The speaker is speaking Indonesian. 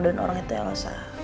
dan orang itu elsa